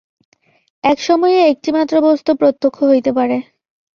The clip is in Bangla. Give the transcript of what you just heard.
এক সময়ে একটি মাত্র বস্তু প্রত্যক্ষ হইতে পারে।